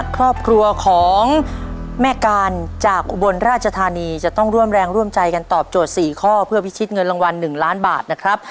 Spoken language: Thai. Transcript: ครอบครัวของแม่การจากอุบลราชธานีจะต้องร่วมแรงร่วมใจกันตอบโจทย์๔ข้อเพื่อพิชิตเงินรางวัล๑ล้านบาทนะครับ